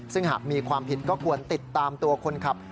ซึ่งหากมีความผิดก็ควรติดตามตัวคนขับ